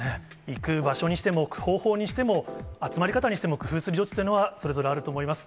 行く場所にしても、方法にしても、集まり方にしても工夫する余地というのはそれぞれ、あると思います。